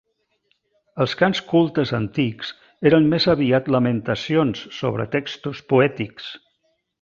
Els cants cultes antics eren més aviat lamentacions sobre textos poètics.